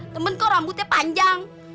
temen kok rambutnya panjang